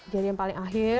jari yang paling akhir